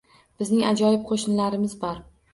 Bizning ajoyib qo'shnilarimiz bor